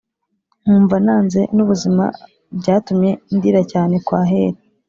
nkumva nanze nubuzima byatumye ndira cyane kwaheli